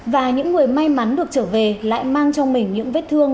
và những người may mắn được trở về lại mang trong mình những vết thương